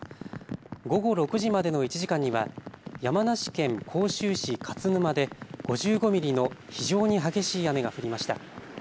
午後６時までの１時間には山梨県甲州市勝沼で５５ミリの非常に激しい雨が降りました。